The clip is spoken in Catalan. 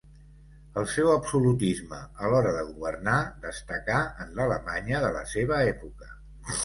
El seu absolutisme a l'hora de governar destacà en l'Alemanya de la seva època.